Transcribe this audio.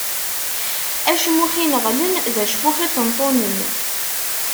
Acmux ineɣlen, d acmux iṭenṭunen.